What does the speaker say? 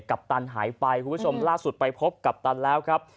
ปัปตันหายไปคุณผู้ชมล่าสุดไปพบกัปตันแล้วครับ